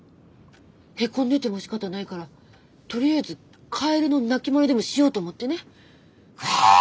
へこんでてもしかたないからとりあえずカエルの鳴きまねでもしようと思ってね。